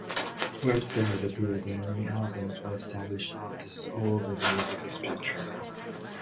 Webster has appeared on many albums by established artists all over the musical spectrum.